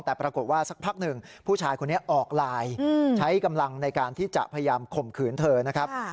แต่ปรากฏว่าสักพักหนึ่งผู้ชายคนนี้ออกไลน์ใช้กำลังในการที่จะพยายามข่มขืนเธอนะครับ